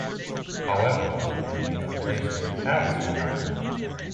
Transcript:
However, it may mean a place where calves were reared.